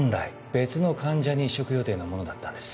別の患者に移植予定のものだったんです